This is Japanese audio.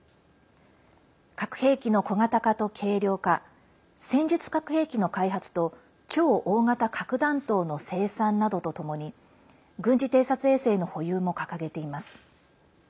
核兵器の小型化と軽量化戦術核兵器の開発と超大型核弾頭の生産などとともに軍事偵察衛星の保有も掲げています。